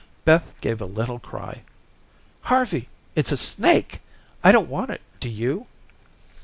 Beth gave a little cry. "Harvey, it's a snake. I don't want it, do you?"